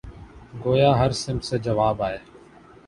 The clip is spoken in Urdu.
گویا ہر سمت سے جواب آئے